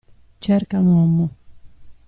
Cerca un uomo.